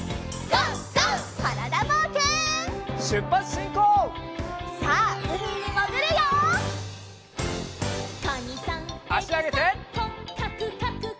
あしあげて。